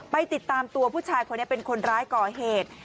ไปติดตามตัวผู้ชายคนนี้เป็นคนร้ายก่อเหตุ